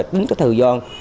tính cái thư do